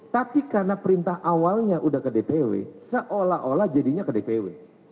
tapi karena perintah awalnya udah ke dpw seolah olah jadinya ke dpw